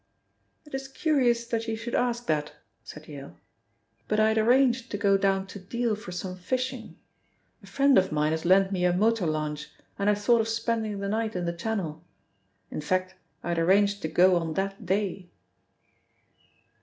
"It is curious that you should ask that," said Yale, "but I had arranged to go down to Deal for some fishing. A friend of mine has lent me a motor launch, and I thought of spending the night in the Channel; in fact, I had arranged to go on that day."